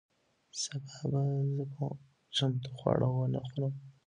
سبا به زه چمتو خواړه ونه خورم.